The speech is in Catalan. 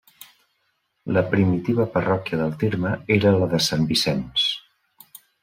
La primitiva parròquia del terme era la de Sant Vicenç.